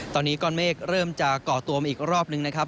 ตอนนี้ก้อนเมฆเริ่มจะก่อตัวมาอีกรอบนึงนะครับ